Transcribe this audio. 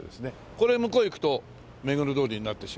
これ向こう行くと目黒通りになってしまい